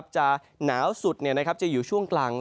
จะหนาวสุดจะอยู่ช่วงกลาง